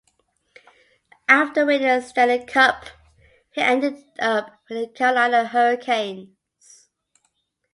After winning a Stanley Cup, he ended up with the Carolina Hurricanes.